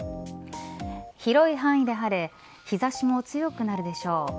広い範囲で晴れ日差しも強くなるでしょう。